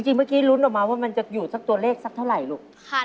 เมื่อกี้ลุ้นออกมาว่ามันจะอยู่สักตัวเลขสักเท่าไหร่ลูก